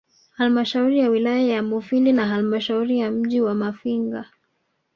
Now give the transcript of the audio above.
Halmashauri ya wilaya ya Mufindi na Halmashauri ya mji wa Mafinga